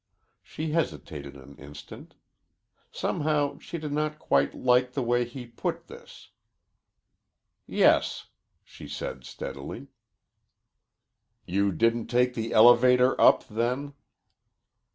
She hesitated an instant. Somehow she did not quite like the way he put this. "Yes," she said steadily. "You didn't take the elevator up, then?"